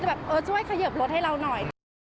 แบบเออช่วยเขยิบรถให้เราหน่อย